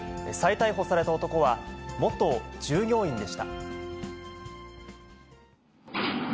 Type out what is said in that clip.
再逮捕された男は、元従業員でした。